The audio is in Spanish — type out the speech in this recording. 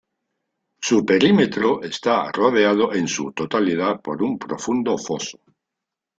Su perímetro está rodeado en su totalidad por un profundo foso.